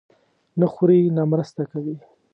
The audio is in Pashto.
نه خوري، نه مرسته کوي.